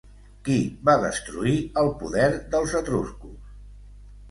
Qui va destruir el poder dels etruscos?